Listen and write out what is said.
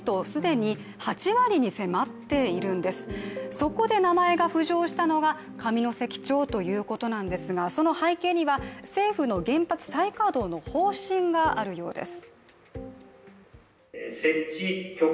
そこで名前が出たのが上関町なんですがその背景には政府の原発再稼働の方針があるようです。